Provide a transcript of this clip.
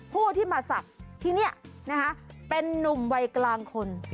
ผู้ที่มาศักดิ์ที่นี่นะคะเป็นนุ่มวัยกลางคน